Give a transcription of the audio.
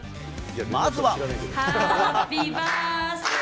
まずは。